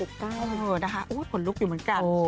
อุ๊ยผลลุกอยู่เหมือนกัน